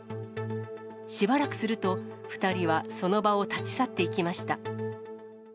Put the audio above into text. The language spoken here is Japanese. しばらくすると、２人はその場を立ち去っていきました。